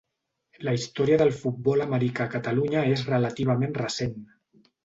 La història del futbol americà a Catalunya és relativament recent.